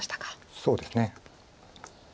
そうですね。